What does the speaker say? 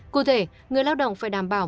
cụ thể người lao động phải đảm bảo